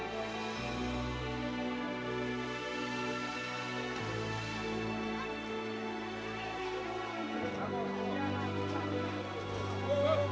seorang dukun adat memimpin prosesi sampan geleng